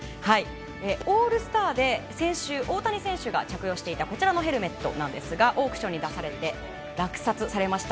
オールスターで先週、大谷選手が着用していたこちらのヘルメットなんですがオークションに出されて落札されました。